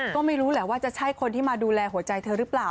ก็ไม่รู้แหละว่าจะใช่คนที่มาดูแลหัวใจเธอหรือเปล่า